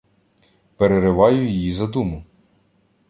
Перериваю їй задуму: